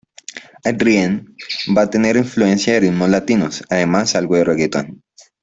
Adrienne va a tener influencia de ritmos latinos, además algo de reggaeton.